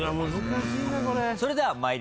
それでは参りましょう。